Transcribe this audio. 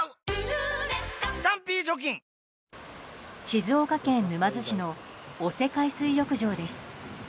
静岡県沼津市の大瀬海水浴場です。